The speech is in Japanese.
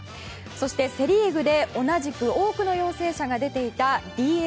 そして、セ・リーグで同じく多くの陽性者が出ていたＤｅＮＡ。